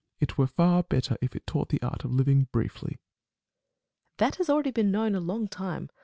It were far better if it taught the art of living briefly. Nat. Phil. That has already been known a long time.